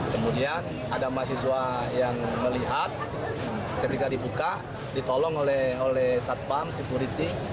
kemudian ada mahasiswa yang melihat ketika dibuka ditolong oleh satpam security